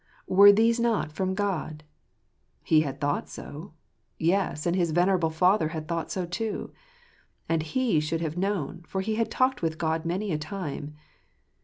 Were these not from God ? He had thought so — yes, and his venerable father had thought so too ; and he should have known, for he had talked with God many a time.